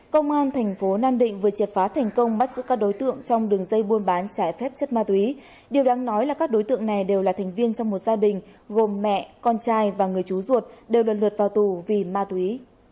công an thành phố nam định vừa triệt phá thành công bắt giữ các đối tượng trong đường dây buôn bán trái phép chất ma túy điều đáng nói là các đối tượng này đều là thành viên trong một gia đình gồm mẹ con trai và người chú ruột đều lần lượt vào tù vì ma túy